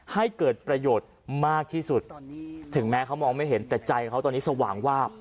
ให้เกิดประโยชน์มากที่สุดถึงแม้เขามองไม่เห็นแต่ใจเขาตอนนี้สว่างวาบ